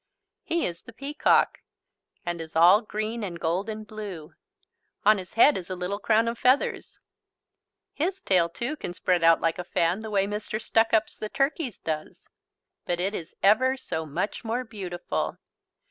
He is the peacock and is all green and gold and blue. On his head is a little crown of feathers. His tail, too, can spread out like a fan the way "Mr. Stuckup's," the turkey's, does. But it is ever so much more beautiful.